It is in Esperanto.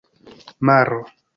maro